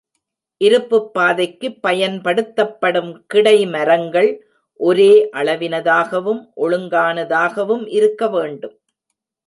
இருப்புப்பாதைக்குப் பயன் படுத்தப்படும் கிடைமரங்கள் ஒரே அளவினதாகவும், ஒழுங்கானதாகவும் இருக்கவேண்டும்.